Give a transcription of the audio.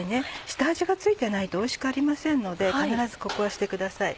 下味が付いてないとおいしくありませんので必ずここはしてください。